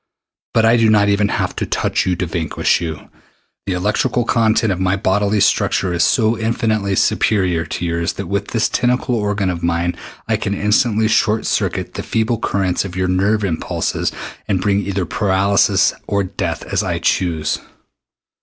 But I do not even have to touch you to vanquish you. The electric content of my bodily structure is so infinitely superior to yours that with this tentacle organ of mine I can instantly short circuit the feeble currents of your nerve impulses and bring either paralysis or death as I choose.